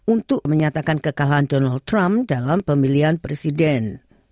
untuk menyatakan kekalahan donald trump dalam pemilihan presiden